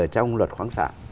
trong luật khoáng sản